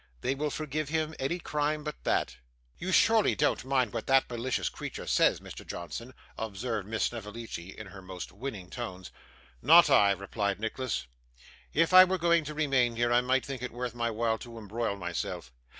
They will forgive him any crime but that.' 'You surely don't mind what that malicious creature says, Mr. Johnson?' observed Miss Snevellicci in her most winning tones. 'Not I,' replied Nicholas. 'If I were going to remain here, I might think it worth my while to embroil myself.